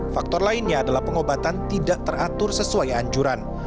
faktor lainnya adalah pengobatan tidak teratur sesuai anjuran